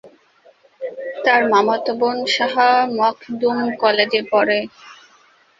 তার মামাতো বোন শাহ মখদুম কলেজে পড়ে।